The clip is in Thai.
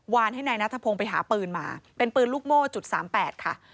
ให้นายนัทพงศ์ไปหาปืนมาเป็นปืนลูกโม่จุด๓๘ค่ะ